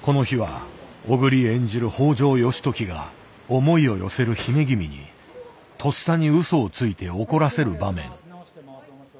この日は小栗演じる北条義時が思いを寄せる姫君にとっさに嘘をついて怒らせる場面。